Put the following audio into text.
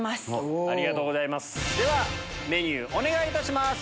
ではメニューお願いいたします。